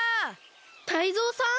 タイゾウさん！？